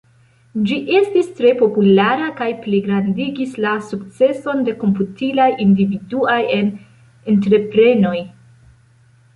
Ĝi estis tre populara kaj pligrandigis la sukceson de komputilaj individuaj en entreprenoj.